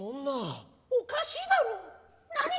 おかしいだろ。